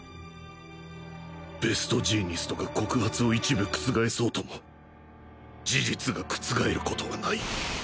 ベストジーニストが告発を一部覆そうとも事実が覆る事はない